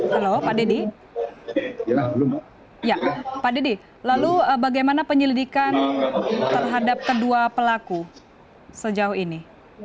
halo pak dedy lalu bagaimana penyelidikan terhadap kedua pelaku sejauh ini